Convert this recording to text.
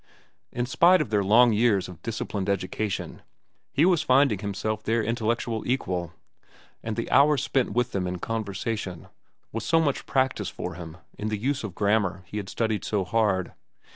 In spite of their long years of disciplined education, he was finding himself their intellectual equal, and the hours spent with them in conversation was so much practice for him in the use of the grammar he had studied so hard.